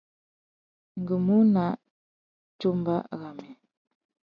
Ngu mú nà tsumba râmê.